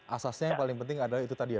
asasnya yang paling penting adalah itu tadi ya